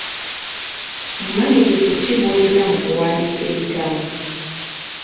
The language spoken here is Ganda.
Bumanyirivu ki bw'olina mu kuwandiika ebitabo?